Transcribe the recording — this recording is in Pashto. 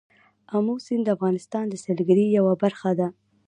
آمو سیند د افغانستان د سیلګرۍ یوه برخه ده.